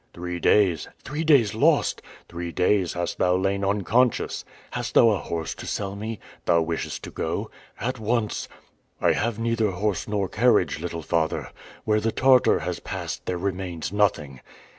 "Three days." "Three days lost!" "Three days hast thou lain unconscious." "Hast thou a horse to sell me?" "Thou wishest to go?" "At once." "I have neither horse nor carriage, little father. Where the Tartar has passed there remains nothing!"